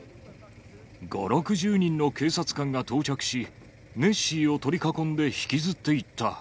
５、６０人の警察官が到着し、ネッシーを取り囲んで引きずっていった。